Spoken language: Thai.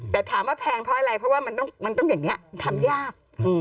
แต่ถามว่าแพงเพราะอะไรเพราะว่ามันต้องอย่างนี้ทำยาก